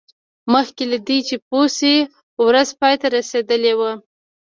مخکې له دې چې پوه شي ورځ پای ته رسیدلې وه